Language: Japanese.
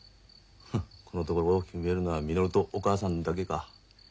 このところ大きく見えるのはみのりとお母さんだけか。